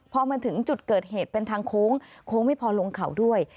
พอมาถึงจุดเกิดเหตุเป็นทางโค้งโค้งไม่พอลงเขาด้วย